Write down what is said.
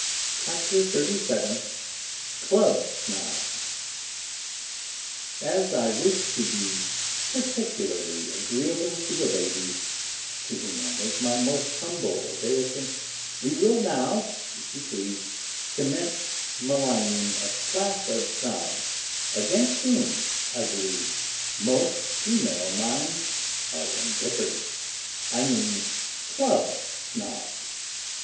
CHAPTER XXXVII CLUB SNOBS As I wish to be particularly agreeable to the ladies (to whom I make my most humble obeisance), we will now, if you please, commence maligning a class of Snobs against whom, I believe, most female minds are embittered I mean Club Snobs.